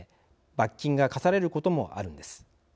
罰金が科されることもあるんです。